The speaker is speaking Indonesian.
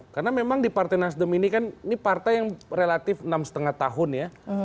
karena memang di partai nasdem ini kan ini partai yang relatif enam lima tahun ya